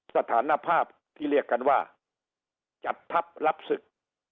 สถานภาพที่เรียกกันว่าจัดทัพรับศึก